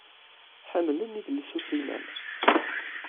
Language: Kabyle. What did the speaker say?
Ḥemmlen idles utriman